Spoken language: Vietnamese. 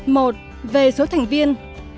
một về số thành viên